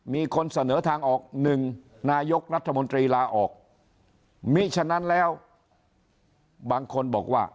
มีคนเสนอทางออกหนึ่งนายกรัฐมนตรีลาออกมิฉะนั้นแล้วบางคนบอกว่า